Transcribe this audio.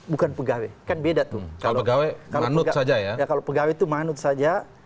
bukan pegawai kan beda tuh kalau pegawai kalau menurut saja ya kalau pegawai itu manut saja